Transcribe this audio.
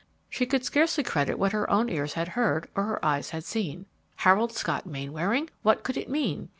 She could scarcely credit what her own ears had heard or her eyes had seen. Harold Scott Mainwaring! What could it mean?